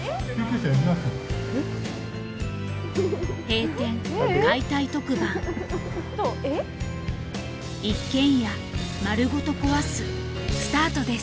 閉店・解体特番『一軒家丸ごと壊す』スタートです。